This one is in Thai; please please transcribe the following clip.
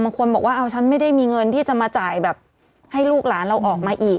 บางคนบอกว่าเอาฉันไม่ได้มีเงินที่จะมาจ่ายแบบให้ลูกหลานเราออกมาอีก